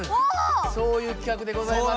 そういう企画でございます。